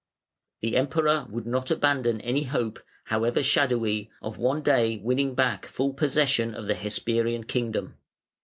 The Emperor would not abandon any hope, however shadowy, of one day winning back full possession of "the Hesperian kingdom".